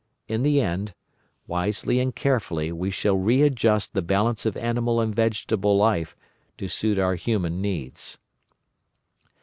In the end, wisely and carefully we shall readjust the balance of animal and vegetable life to suit our human needs.